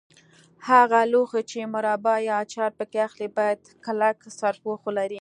هغه لوښي چې مربا یا اچار پکې اخلئ باید کلک سرپوښ ولري.